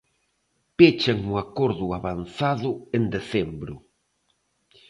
Pechan o acordo avanzado en decembro.